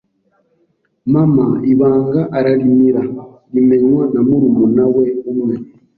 mama ibanga ararimira rimenywa na murumuna we umwe